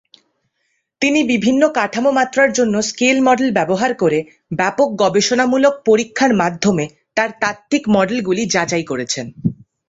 তিনি বিভিন্ন কাঠামো মাত্রার জন্য স্কেল মডেল ব্যবহার করে ব্যপক গবেষণামূলক পরীক্ষার মাধ্যমে, তাঁর তাত্ত্বিক মডেলগুলি যাচাই করেছেন।